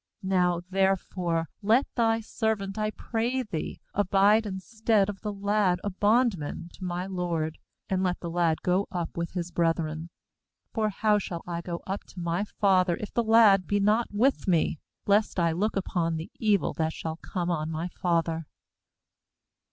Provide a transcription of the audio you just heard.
33Now therefore, let thy servant, I pray thee, abide instead of the lad a bondman to my lord; and let the lad go up with his brethren. 84For how shall I go up to my father, if the lad be not with me? lest I look upon the evil that shall come on my father.'